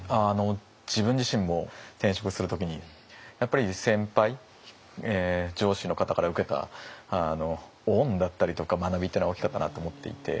自分自身も転職する時にやっぱり先輩上司の方から受けた恩だったりとか学びっていうのは大きかったなと思っていて。